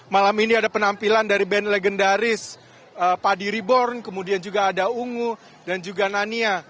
malam ini ada penampilan dari band legendaris padi reborn kemudian juga ada ungu dan juga nania